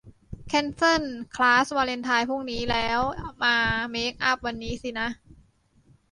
แคนเซิลคลาสวาเลนไทน์พรุ่งนี้ แล้วมาเมกอัพวันนี้สินะ